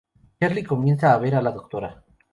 Charlie comienza a ver a la Dra.